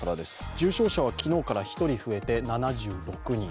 重症者は昨日から１人増えて７６人。